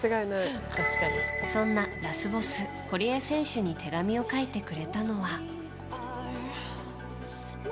そんなラスボス、堀江選手に手紙を書いてくれたのは。